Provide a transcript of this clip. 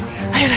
ada apa raka